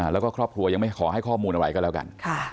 แล้วก็ครอบครัวยังไม่ขอให้ข้อมูลอะไรก็แล้วกัน